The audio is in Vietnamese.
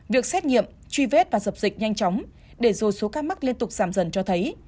việc xét nghiệm truy vết và dập dịch nhanh chóng để rồi số ca mắc liên tục giảm dần cho thấy